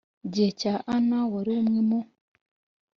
gihe cya Ana wari umwe mu